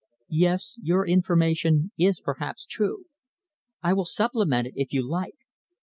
Yes, your information is perhaps true. I will supplement it, if you like.